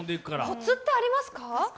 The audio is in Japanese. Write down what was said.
コツってありますか？